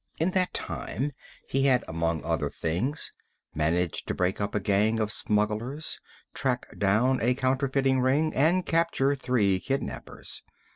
In that time, he had, among other things, managed to break up a gang of smugglers, track down a counterfeiting ring, and capture three kidnapers.